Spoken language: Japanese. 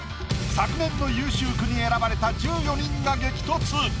昨年の優秀句に選ばれた１４人が激突。